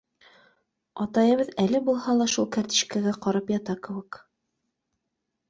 Атайыбыҙ әле булһа ла шул кәртишкәгә ҡарап ята кеүек.